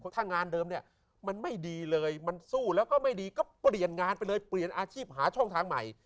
ถ้างานเดิมเนี่ยมันไม่ดีเลยมันสู้แล้วก็ไม่ดีก็เปลี่ยนงานไปเลยเปลี่ยนอาชีพหาช่องทางใหม่